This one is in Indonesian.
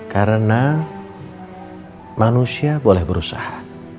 karena manusia boleh berusaha